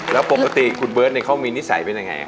แล้วปกติคุณเบิร์ตเขามีนิสัยเป็นยังไง